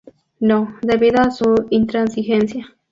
No" debido a su intransigencia.